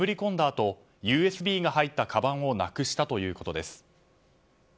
あとＵＳＢが入ったかばんをなくしたということです。